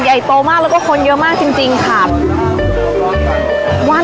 ใหญ่โตมากแล้วก็คนเยอะมากจริงค่ะ